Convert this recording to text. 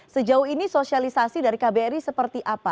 sejauh ini sosialisasi dari kbr ini seperti apa